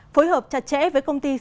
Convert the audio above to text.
phối hợp chặt chẽ với công ty sử dụng